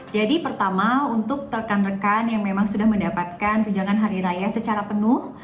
jadi pertama untuk rekan rekan yang memang sudah mendapatkan tujuan hari raya secara penuh